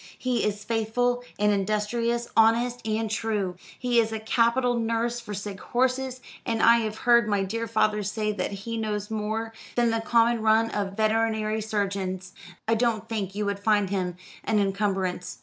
He is faithful and industrious, honest and true. He is a capital nurse for sick horses; and I have heard my dear father say that he knows more than the common run of veterinary surgeons. I don't think you would find him an incumbrance.